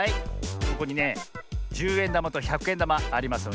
ここにねじゅうえんだまとひゃくえんだまありますよね。